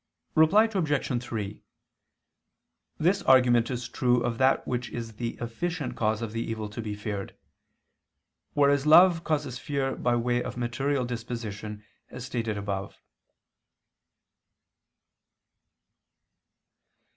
Reply Obj. 3: This argument is true of that which is the efficient cause of the evil to be feared: whereas love causes fear by way of material disposition, as stated above.